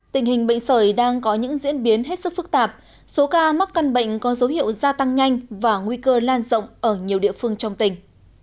tình hình bệnh sởi đang có những diễn biến hết sức phức tạp số ca mắc căn bệnh có dấu hiệu gia tăng nhanh và nguy cơ lan rộng ở nhiều địa phương trong tỉnh